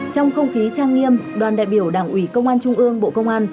trong không khí trang nghiêm đoàn đại biểu đảng ủy công an trung ương bộ công an